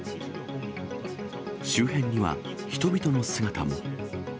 周辺には、人々の姿も。